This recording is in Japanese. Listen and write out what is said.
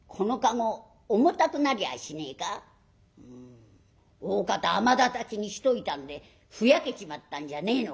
「うんおおかた雨だたきにしといたんでふやけちまったんじゃねえのかい？」。